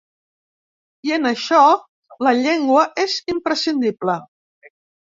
I en això la llengua és imprescindible.